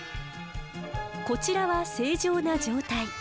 こちらは正常な状態。